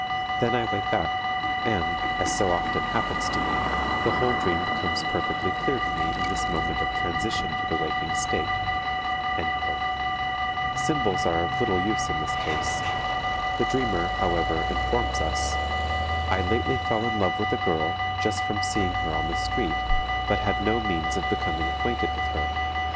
Then I wake up and, as so often happens to me, the whole dream becomes perfectly clear to me in this moment of transition to the waking state._" Symbols are of little use in this case. The dreamer, however, informs us, "I lately fell in love with a girl, just from seeing her on the street, but had no means of becoming acquainted with her.